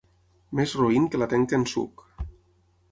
Més roín que la tenca en suc.